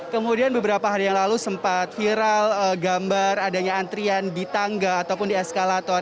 kemudian beberapa hari yang lalu sempat viral gambar adanya antrian di tangga ataupun di eskalator